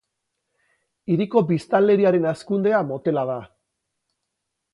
Hiriko biztanleriaren hazkundea motela da.